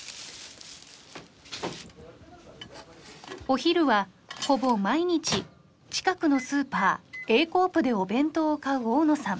お昼はほぼ毎日近くのスーパーＡコープでお弁当を買う大野さん。